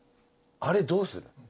あれどうする？